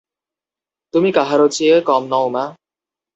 তুমি কাহারো চেয়ে কম নও মা!